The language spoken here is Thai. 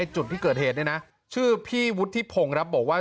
จุดที่เกิดเหตุเนี่ยนะชื่อพี่วุฒิพงศ์ครับบอกว่า